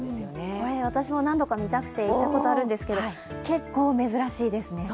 これ、私も何度か見たくて行ったことあるんですけど、結構、珍しいですね。